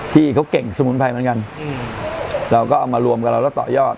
ที่เขาเก่งสมุนไพรเหมือนกันเราก็เอามารวมกับเราแล้วต่อยอด